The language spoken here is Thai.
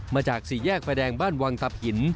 มาจากสี่แยกไฟแดงบ้านวังตับหิน